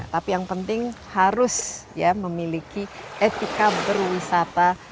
tapi yang penting harus memiliki etika berwisata